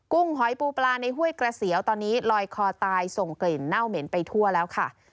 หอยปูปลาในห้วยกระเสียวตอนนี้ลอยคอตายส่งกลิ่นเน่าเหม็นไปทั่วแล้วค่ะ